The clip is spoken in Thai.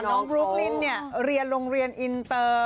น้องบรูกลิ้นเรียนโรงเรียนอินเตอร์